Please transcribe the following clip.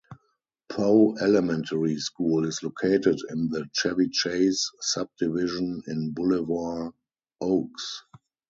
Poe Elementary School is located in the Chevy Chase subdivision in Boulevard Oaks.